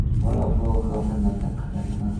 伯夫龙河畔康代。